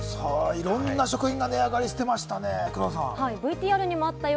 いろんな食品の値上がりしていましたね、黒田さん。